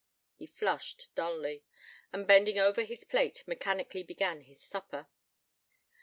He flushed dully, and bending over his plate, mechanically began his supper.